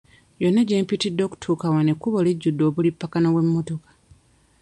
Yonna gye mpitidde okutuuka wano ekkubo lijjudde obulipagano bw'emmotoka.